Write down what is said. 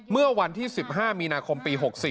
เมื่อวันที่๑๕มีนาคมปี๖๔